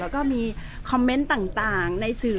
แต่ว่าสามีด้วยคือเราอยู่บ้านเดิมแต่ว่าสามีด้วยคือเราอยู่บ้านเดิม